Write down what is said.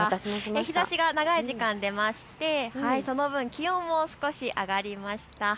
日ざしが長い時間出ましてその分、気温も少し上がりました。